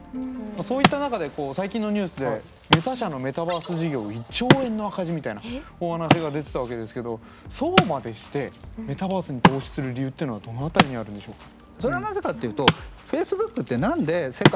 そういった中で最近のニュースでメタ社のメタバース事業１兆円の赤字みたいなお話が出てたわけですけどそうまでしてメタバースに投資する理由っていうのはどの辺りにあるんでしょうか？